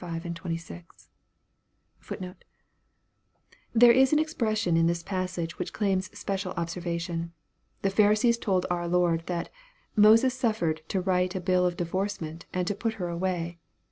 * There is an expression in this passage which claims special ob servation. The Pharisees told our Lord, that "Moses suffered to write a bill of divorcement and to put her away."